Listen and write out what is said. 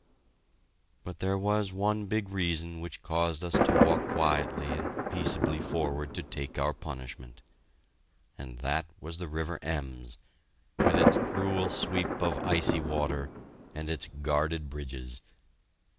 But there was one big reason which caused us to walk quietly and peaceably forward to take our punishment, and that was the river Ems, with its cruel sweep of icy water and its guarded bridges.